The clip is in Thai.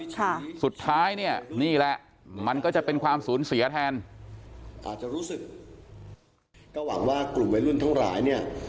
ค่ะสุดท้ายเนี่ยนี่แหละมันก็จะเป็นความสูญเสียแทนอาจจะรู้สึกก็หวังว่ากลุ่มวัยรุ่นทั้งหลายเนี่ย